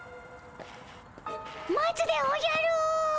待つでおじゃる！